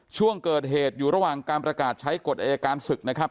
ช่วงเกิดเหตุอยู่ระหว่างการประกาศใช้กฎอายการศึกนะครับ